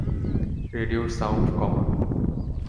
রেডিওর সাউন্ড কমা।